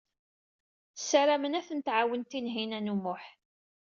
Ssaramen ad ten-tɛawen Tinhinan u Muḥ.